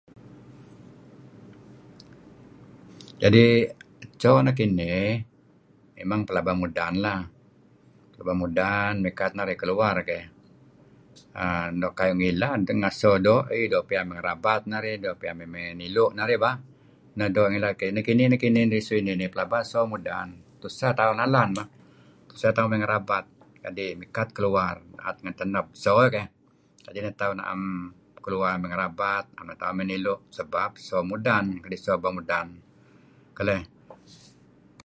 Jadi', eco nekinih mimang pelaba mudan lah. Pelaba mudan, mikat narih keluar keyh. Ah nuk Kayu' ngilad nga' so do', eeey dô' pian mey ngerabat narih, doo' pian mey nilu' narih bah . Neh doo' ngilad. Nekinih, nekinih, risu' inih pelaba so mudan. Tuseh tauh nalan bah. Tuseh tauh mey ngerabat kadi' mikat tauh keluar da'et ngen teneb so keyh. Kadi' neh tauh na'em keluar mey ngerabat, na'em tnh tauh mey nilu' sebap so mudan. Kadi' so pelaba mudan, keleyh.